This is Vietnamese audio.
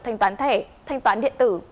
thanh toán thẻ thanh toán điện tử